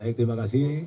baik terima kasih